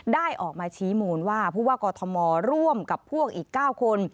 ได้ออกมาชี้มูลว่ากฎมรรย์ร่วมกับพวกอีก๙คน